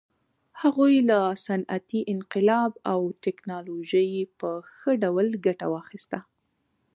هغوی له صنعتي انقلاب او ټکنالوژۍ په ښه ډول ګټه واخیسته.